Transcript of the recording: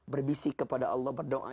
berbisik kepada allah berdoa